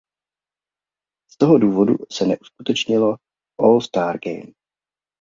Z toho důvodu se neuskutečnilo All Stars Game.